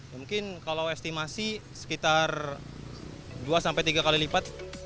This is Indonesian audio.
mungkin kalau estimasi sekitar dua sampai tiga kali lipat